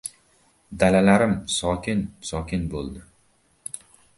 Dalalarim sokin-sokin bo‘ldi.